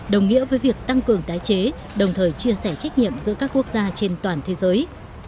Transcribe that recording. đồng nghĩa với việc tăng cường tái chế đồng thời chia sẻ trách nhiệm giữa các quốc gia trên toàn thế giới